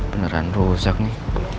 beneran rusak nih